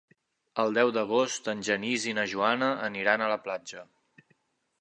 El deu d'agost en Genís i na Joana aniran a la platja.